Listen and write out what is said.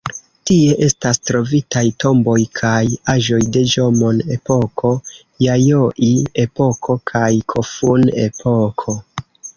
Tie estas trovitaj tomboj kaj aĵoj de Ĵomon-epoko, Jajoi-epoko kaj Kofun-epoko.